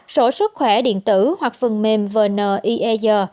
sổ sức khỏe điện tử hoặc phần mềm vn ieg